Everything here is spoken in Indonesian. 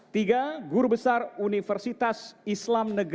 tiga guru besar universitas islam negeri